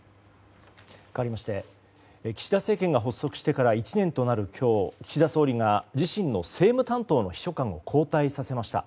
かわりまして岸田政権が発足してから１年となる今日岸田総理が自身の政務担当の秘書官を交代させました。